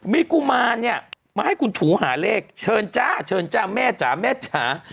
มีกุมารเนี่ยมาให้คุณถูหาเลขเชิญจ้าเชิญจ้าแม่จ๋าแม่จ๋า